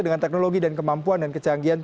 dengan teknologi dan kemampuan dan kecanggihan